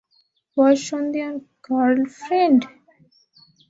বয়ঃসন্ধি আর গার্লফ্রেন্ড?